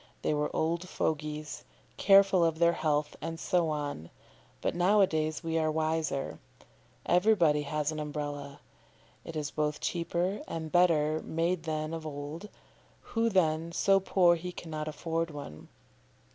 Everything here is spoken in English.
They were old fogies, careful of their health, and so on; but now a days we are wiser. Everybody has his Umbrella. It is both cheaper and better made than of old; who, then, so poor he cannot afford one?